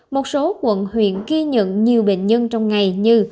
một số quận huyện ghi nhận nhiều bệnh nhân trong ngày như